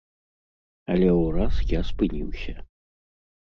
Але ўраз я спыніўся.